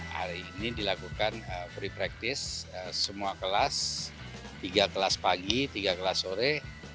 hari ini dilakukan free practice semua kelas tiga kelas pagi tiga kelas sore